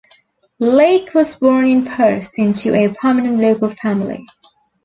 Leake was born in Perth, into a prominent local family.